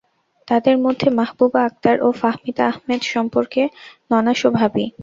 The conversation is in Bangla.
তাঁদের মধ্যে মাহবুবা আক্তার ও ফাহমিদা আহমেদ সম্পর্কে ননাস ও ভাবি।